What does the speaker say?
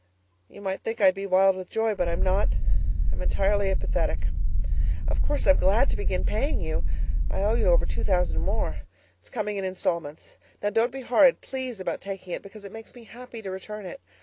You might think I'd be wild with joy, but I'm not. I'm entirely apathetic. Of course I'm glad to begin paying you I owe you over two thousand more. It's coming in instalments. Now don't be horrid, please, about taking it, because it makes me happy to return it.